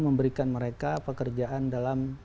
memberikan mereka pekerjaan dalam